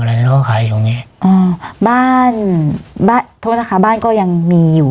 อะไรที่เขาขายอยู่ตรงนี้อ่าบ้านบ้านโทษนะคะบ้านก็ยังมีอยู่